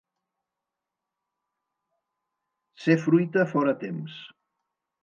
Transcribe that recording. Ser fruita fora temps.